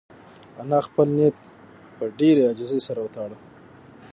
انا خپل نیت په ډېرې عاجزۍ سره وتاړه.